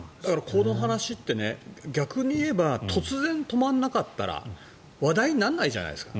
この話って逆に言えば突然止まらなかったら話題にならないじゃないですか。